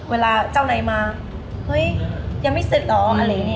เวลาเจ้าไหนมาเฮ้ยยังไม่เสร็จเหรอ